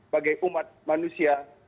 bagi umat manusia